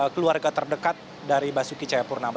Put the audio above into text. keluarga terdekat dari basuki caya purnama